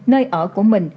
nơi ở của mình